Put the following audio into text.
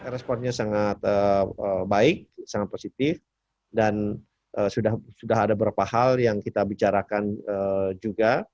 responnya sangat baik sangat positif dan sudah ada beberapa hal yang kita bicarakan juga